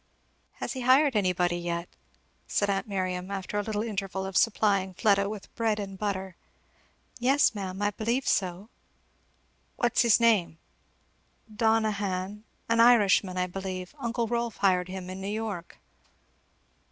"Has he hired anybody yet?" said aunt Miriam, after a little interval of supplying Fleda with 'bread and butter.' "Yes ma'am, I believe so." "What's his name?" "Donohan, an Irishman, I believe; uncle Rolf hired him in New York."